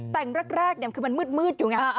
แต่งแรกคือมันมืดอยู่ไง